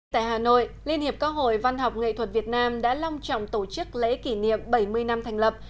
tại hà nội liên hiệp các hội văn học nghệ thuật việt nam đã long trọng tổ chức lễ kỷ niệm bảy mươi năm thành lập